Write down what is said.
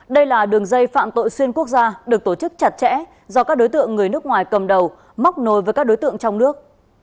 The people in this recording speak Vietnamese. đây là đường dây phạm tội xuyên quốc gia được tổ chức chặt chẽ do các đối tượng người nước ngoài cầm đầu móc nối với các đối tượng trong nước